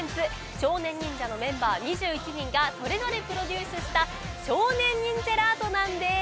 少年忍者のメンバー２１人がそれぞれプロデュースした少年忍じぇらーとなんです。